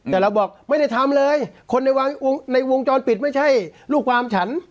แต่เราบอกไม่ได้ทำเลยคนในวงในวงจรปิดไม่ใช่ลูกความฉัน